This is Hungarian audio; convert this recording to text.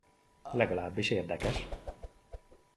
Legalábbis érdekes!